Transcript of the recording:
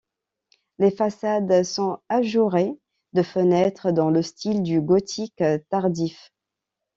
Les façades sont ajourées de fenêtres dans le style du gothique tardif.